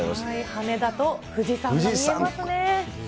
羽田と富士山が見えますね。